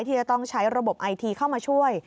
ที่จะต้องใช้ระบบไอทีเข้ามาช่วย